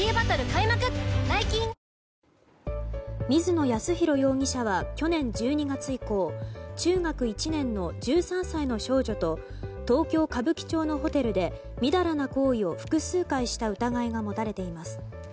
水野泰宏容疑者は去年１２月以降中学１年の１３歳の少女と東京・歌舞伎町のホテルでみだらな行為を複数回した疑いが持たれています。